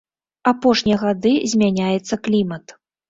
Апошнія гады змяняецца клімат.